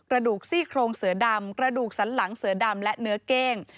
กระดูกซี่โครงเสือดำกระดูกสันหลังเสือดำและเนื้อเก้ง